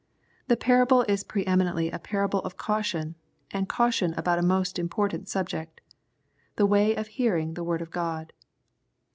The parable is pre eminently a parable of caution^ and caution about a most important subject, — the way of hearing the word of God.